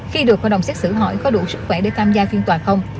khi được hội đồng xét xử hỏi có đủ sức khỏe để tham gia phiên tòa không